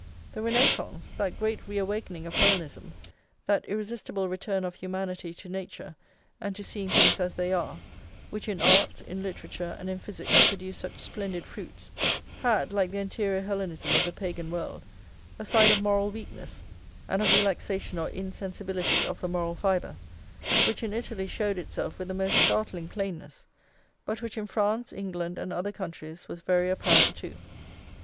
The Renascence, that great re awakening of Hellenism, that irresistible return of humanity to nature and to seeing things as they are, which in art, in literature, and in physics, produced such splendid fruits, had, like the anterior Hellenism of the Pagan world, a side of moral weakness, and of relaxation or insensibility of the moral fibre, which in Italy showed itself with the most startling plainness, but which in France, England, and other countries was very apparent too.